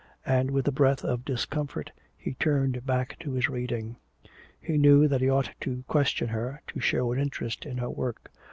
And with a breath of discomfort he turned back to his reading. He knew that he ought to question her, to show an interest in her work.